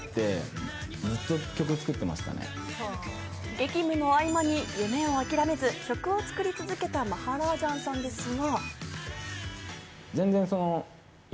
激務の合間に夢を諦めず曲を作り続けたマハラージャンさんですが。